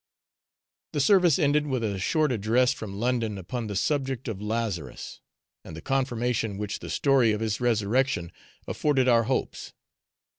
The service ended with a short address from London upon the subject of Lazarus, and the confirmation which the story of his resurrection afforded our hopes.